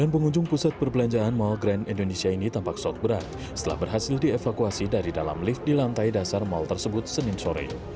sembilan pengunjung pusat perbelanjaan mall grand indonesia ini tampak sok berat setelah berhasil dievakuasi dari dalam lift di lantai dasar mal tersebut senin sore